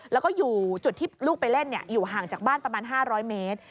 แล้วก็อยู่จุดที่ลูกไปเล่นอยู่ห่างจากบ้านประมาณ๕๐๐เมตร